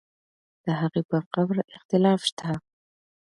د هغې پر قبر اختلاف شته.